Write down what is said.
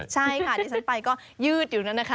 ใช่ค่ะดิฉันไปก็ยืดอยู่นั้นนะคะ